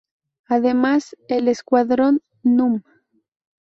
Además, el escuadrón Núm.